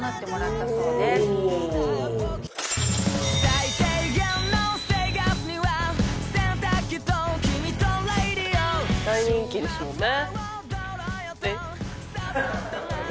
大人気ですもんね。